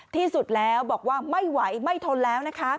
ที่สุดแล้วบอกว่าไม่ไหวไม่ทนแล้วนะคะ